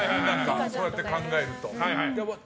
そうやって考えると。